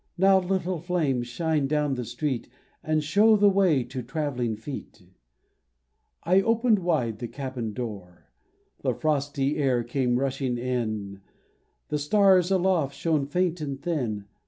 Now, little flame, shine down the street, And show the way to travelling feet ! I opened wide the cabin door ; The frosty air came rushing in, The stars aloft shone faint and thin.